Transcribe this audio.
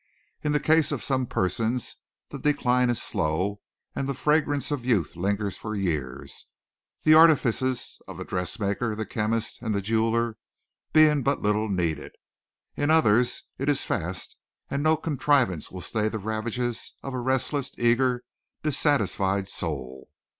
In the case of some persons the decline is slow and the fragrance of youth lingers for years, the artifices of the dressmaker, the chemist, and the jeweller being but little needed. In others it is fast and no contrivance will stay the ravages of a restless, eager, dissatisfied soul.